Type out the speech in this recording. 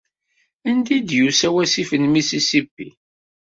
Anda ay d-yusa wasif n Mississippi?